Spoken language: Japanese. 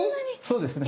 そうですね。